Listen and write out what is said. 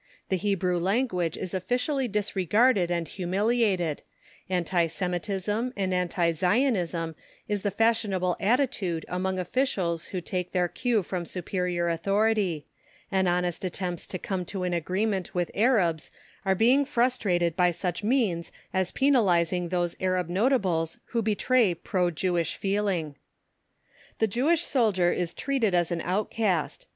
The Hebrew language is officially disregarded and humiliated; anti Semitism and anti Zionism is the fashionable attitude among officials who take their cue from superior authority; and honest attempts to come to an agreement with Arabs are being frustrated by such means as penalising those Arab notables who betray pro Jewish feeling. The Jewish soldier is treated as an outcast.